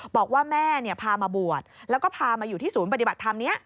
บอกว่าแม่พามาบวชแล้วก็พามาอยู่ที่ศูนย์ปฏิบัติธรรมนี้